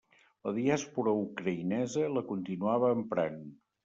La diàspora ucraïnesa la continuava emprant.